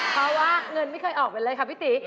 เพราะว่าเงินไม่เคยออกไปเลยค่ะพี่ตี